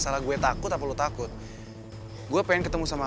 kalau sama kita bisa tetap kumpulin